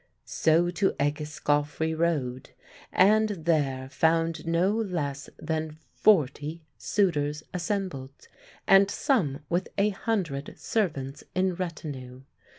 So to Egeskov we rode, and there found no less than forty suitors assembled, and some with a hundred servants in retinue.